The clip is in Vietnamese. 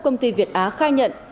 công ty việt á khai nhận